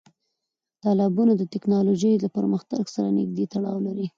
تالابونه د تکنالوژۍ له پرمختګ سره نږدې تړاو لري.